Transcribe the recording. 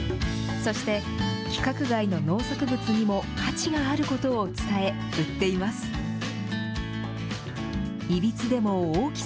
そして、規格外の農作物にも価値があることを伝え売っています。